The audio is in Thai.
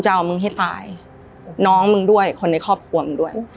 จะเอามึงให้ตายน้องมึงด้วยคนในครอบครัวมึงด้วย